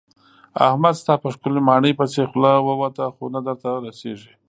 احمد ستا په ښکلې ماڼۍ پسې خوله ووته خو نه درته رسېږي.